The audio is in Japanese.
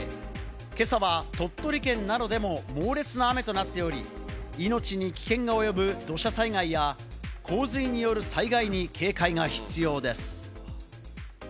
今朝は鳥取県などでも猛烈な雨となっており、命に危険が及ぶ土砂災害や洪水による災害に警戒が必要です。